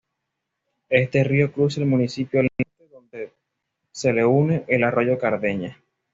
Este río cruza el municipio al norte, donde se le une el arroyo Cardeña.